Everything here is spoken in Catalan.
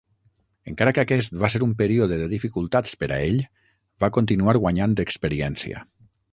Encara que aquest va ser un període de dificultats per a ell, va continuar guanyant experiència.